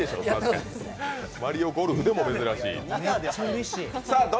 「マリオゴルフ」でも珍しい。